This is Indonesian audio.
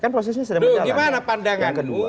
kan proses ini sedang berjalan tuh gimana pandanganmu